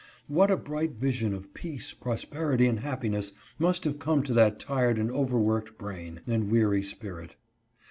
What a bright vision of peace, prosperity, and happiness must have come to that tired and over worked brain, and weary spirit.